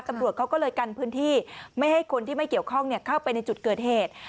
ตำรวจเขาก็เลยกันพื้นที่ไม่ให้คนที่ไม่เกี่ยวข้องเข้าไปในจุดเกิดเหตุ